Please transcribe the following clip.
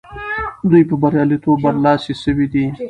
دوی په بریالیتوب برلاسي سوي دي.